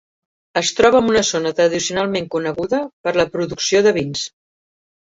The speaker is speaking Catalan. Es troba en una zona tradicionalment coneguda per la producció de vins.